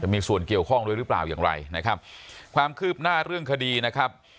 มีส่วนเกี่ยวข้องด้วยหรือเปล่าอย่างไรนะครับความคืบหน้าเรื่องคดีนะครับ